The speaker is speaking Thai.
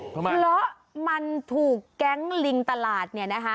เพราะมันถูกแก๊งลิงตลาด